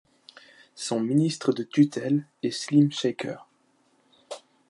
Son ministre de tutelle est Slim Chaker.